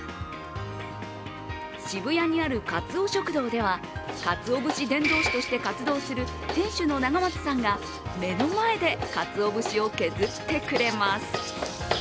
渋谷にある、かつお食堂では鰹節伝道師として活動する店主の永松さんが目の前でかつお節を削ってくれます。